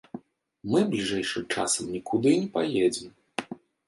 Мы бліжэйшым часам нікуды не паедзем.